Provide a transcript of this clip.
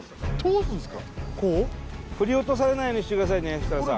振り落とされないようにしてくださいね設楽さん